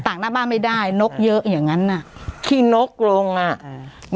กหน้าบ้านไม่ได้นกเยอะอย่างงั้นอ่ะขี้นกลงอ่ะอืม